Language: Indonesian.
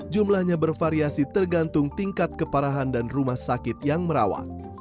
jumlahnya bervariasi tergantung tingkat keparahan dan rumah sakit yang merawat